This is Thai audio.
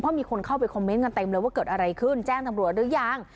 เพราะมีคนเข้าไปคอมเมนต์กันเต็มเลยว่าเกิดอะไรขึ้นแจ้งตำรวจหรือยัง